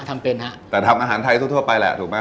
แต่ทำอาหารไทยทั่วไปแหละถูกมั้ย